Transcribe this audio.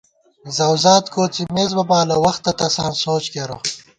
زؤوزات کوڅِمېس بہ بالہ، وختہ تساں سوچ کېرہ